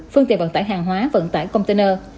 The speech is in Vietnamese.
phương tiện vận tải hàng hóa vận tải container